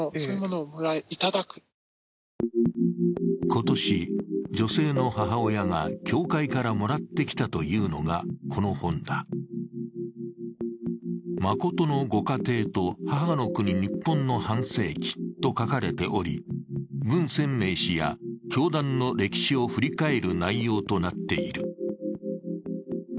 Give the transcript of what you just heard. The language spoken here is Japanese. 今年、女性の母親が教会からもらってきたというのが、この本だ「真の御家庭と「母の国・日本」の半世紀」と書かれており文鮮明氏や教団の歴史を振り返る内容となっている。